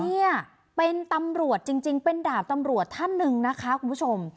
เนี่ยเป็นตำรวจจริงเป็นดาบตำรวจท่านหนึ่งนะคะคุณผู้ชม